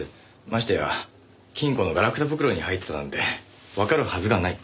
ましてや金庫のガラクタ袋に入ってたなんてわかるはずがない。